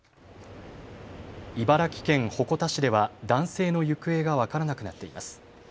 茨城県鉾田市では男性の行方が分からなくなっています。